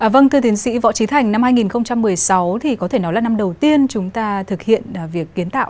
vâng thưa tiến sĩ võ trí thành năm hai nghìn một mươi sáu thì có thể nói là năm đầu tiên chúng ta thực hiện việc kiến tạo